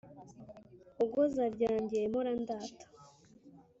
Hogoza ryanjye mpora ndata